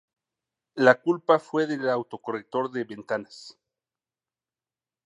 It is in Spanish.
La culpa fue del autocorrector de ventanas